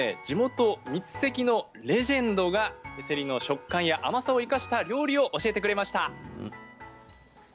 地元三関のレジェンドがせりの食感や甘さを生かした料理を教えてくれました。